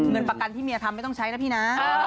เงินประกันที่เมียทำไม่ต้องใช้นะพี่นะ